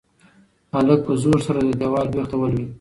هلک په زور سره د دېوال بېخ ته ولوېد.